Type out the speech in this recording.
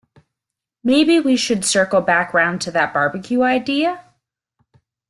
Maybe we should circle back round to that barbecue idea?